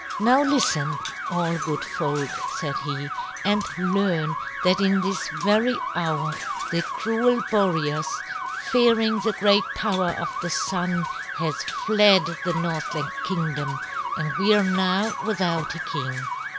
"Now listen, all good folk," said he, "and learn that in this very hour the cruel Boreas, fearing the great power of the Sun, has fled the Northland Kingdom, and we are now without a king.